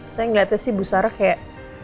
saya ngeliatnya sih bu sarah kayak